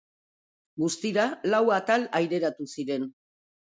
Guztira lau atal aireratu ziren.